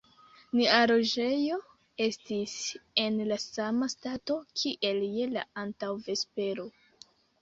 Nia loĝejo estis en la sama stato, kiel je la antaŭvespero.